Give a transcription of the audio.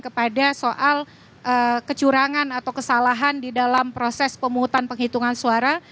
kepada soal kecurangan atau kesalahan di dalam proses pemungutan penghitungan suara